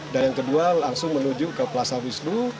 dan yang kedua langsung menuju ke plaza wisnu